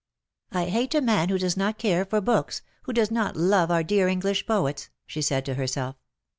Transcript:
'^ I hate a man who does not care for books, who does not love our dear English poets,^^ she said to herself.